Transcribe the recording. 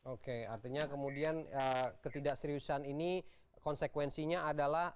oke artinya kemudian ketidakseriusan ini konsekuensinya adalah